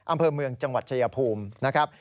อำเภอเมืองจังหวัดชายภูมินะครับ